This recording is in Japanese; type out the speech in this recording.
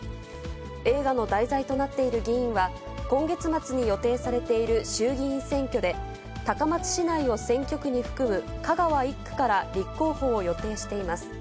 映画の題材となっている議員は、今月末に予定されている衆議院選挙で、高松市内を選挙区に含む香川１区から立候補を予定しています。